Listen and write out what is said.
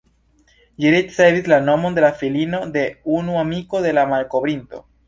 Ĝi ricevis la nomon de la filino de unu amiko de la malkovrinto.